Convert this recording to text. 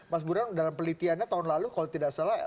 mas burhan dalam pelitiannya tahun lalu kalau tidak salah